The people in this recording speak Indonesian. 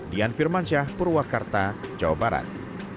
dian firmansyah purwakarta jawa barat